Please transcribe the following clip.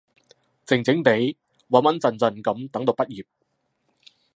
靜靜哋，穩穩陣陣噉等到畢業